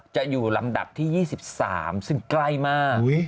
จะอยู่ลำดับที่๒๓ซึ่งใกล้มาก